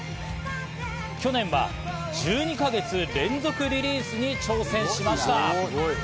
去年は１２か月連続リリースに挑戦しました。